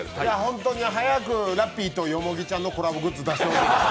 早くラッピーとよもぎちゃんのコラボグッズ出してほしいです。